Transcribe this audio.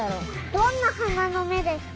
どんなはなのめですか？